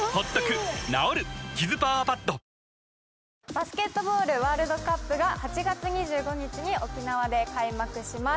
バスケットボールワールドカップが８月２５日に沖縄で開幕します。